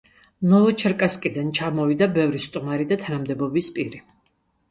ნოვოჩერკასკიდან ჩამოვიდა ბევრი სტუმარი და თანამდებობის პირი.